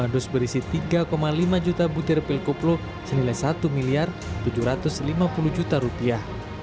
tiga puluh lima dos berisi tiga lima juta butir pekoplo senilai satu miliar tujuh ratus lima puluh juta rupiah